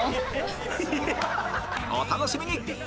お楽しみに！